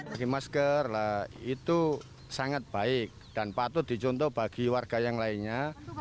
bagi masker itu sangat baik dan patut dicontoh bagi warga yang lainnya